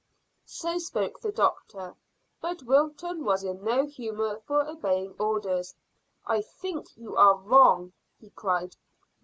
So spoke the doctor, but Wilton was in no humour for obeying orders. "I think you are wrong," he cried.